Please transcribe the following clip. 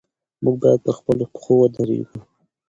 موږ باید پر خپلو پښو ودرېږو.